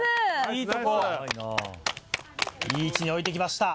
いい位置に置いてきました。